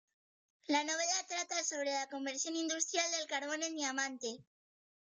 La novela trata sobre la conversión industrial del carbón en diamante.